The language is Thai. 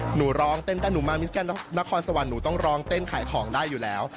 หนูร้องเต้นแต่หนูมามิสแกนนครสวรรค์หนูต้องร้องเต้นขายของได้อยู่แล้ว